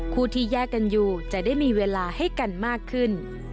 คู่ที่แยกกันอยู่จะได้มีเวลาให้กันมากขึ้น